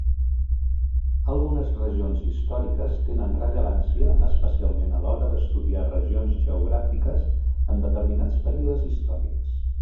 Algunes regions històriques tenen rellevància especialment a l'hora d'estudiar regions geogràfiques en determinats períodes històrics.